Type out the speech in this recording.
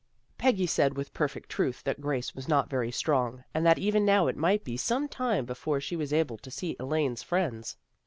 Peggy said with perfect truth that Grace was not very strong and that even now it might be some time before she was able to see Elaine's friends.